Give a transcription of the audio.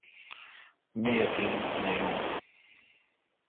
مہ یقین نہ یون۔